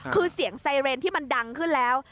คือเสียงไซเรนที่มันดังขึ้นแล้ว